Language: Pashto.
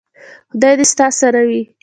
خدای دې ستا سره وي .